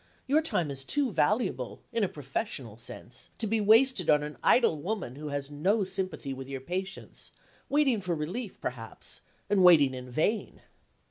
Your time is too valuable, in a professional sense, to be wasted on an idle woman who has no sympathy with your patients, waiting for relief perhaps, and waiting in vain."